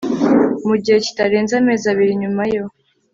mu gihe kitarenze amezi abiri nyuma yo